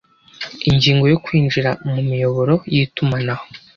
Ingingo yo Kwinjira mu miyoboro yitumanaho